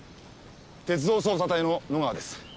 鉄道捜査隊の野川です。